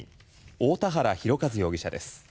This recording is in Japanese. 大田原広和容疑者です。